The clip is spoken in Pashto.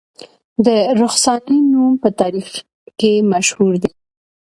د رخسانې نوم په تاریخ کې مشهور دی